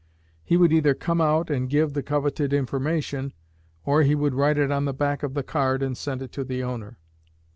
He would either come out and give the coveted information, or he would write it on the back of the card and send it to the owner.